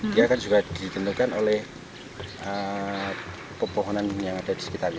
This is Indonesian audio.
dia kan juga ditentukan oleh pepohonan yang ada di sekitarnya